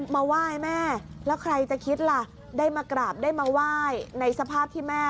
มาไหว้แม่แล้วใครจะคิดล่ะได้มากราบได้มาไหว้ในสภาพที่แม่